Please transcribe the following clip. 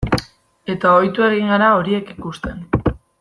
Eta ohitu egin gara horiek ikusten.